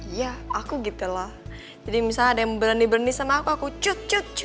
iya aku gitu lah jadi misalnya ada yang berani berani sama aku aku cut cut cut